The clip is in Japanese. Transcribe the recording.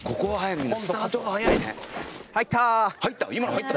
入った。